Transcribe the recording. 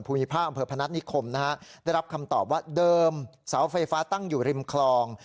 ภาคอำเภอพนัฐนิคมนะฮะได้รับคำตอบว่าเดิมเสาไฟฟ้าตั้งอยู่ริมคลอง